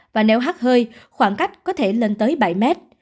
và nếu hát hơi khoảng cách có thể lên tới bảy mét